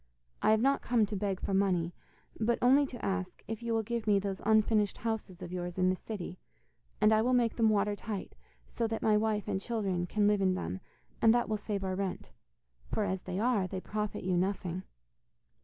I have not come to beg for money, but only to ask if you will give me those unfinished houses of yours in the city, and I will make them watertight, so that my wife and children can live in them, and that will save our rent. For as they are, they profit you nothing.